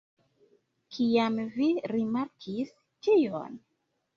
Kiam vi rimarkis tion?